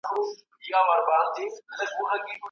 ژبه دواړو ژوندونو ته ارزښت ورکوي.